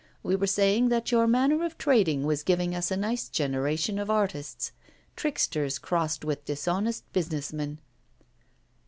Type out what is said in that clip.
'We were saying that your manner of trading was giving us a nice generation of artists tricksters crossed with dishonest business men.